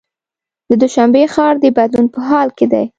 د دوشنبې ښار د بدلون په حال کې دی.